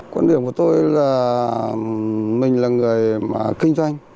quan điểm của tôi là mình là người kinh doanh